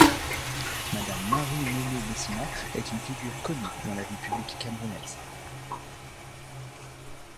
Madame Marie Nomo Messina est une figure connue dans la vie publique Camerounaise.